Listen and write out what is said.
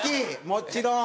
もちろん。